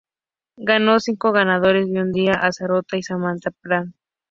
Ganó cinco ganadores de un día a Saratoga y Santa Anita Park.